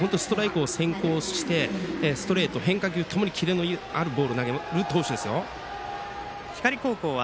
投球数も少ないですしストライク先行してストレート、変化球ともにキレのあるボールを投げる投手です。